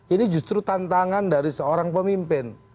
ini justru tantangan dari seorang pemimpin